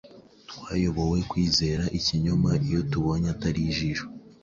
Twayobowe Kwizera Ikinyoma Iyo tubonye atari Ijisho